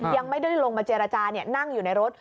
ยังไม่ได้ลงมาเจรจานั่งอยู่ในรถ